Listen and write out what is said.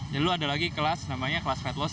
lalu ada lagi kelas namanya kelas fat loss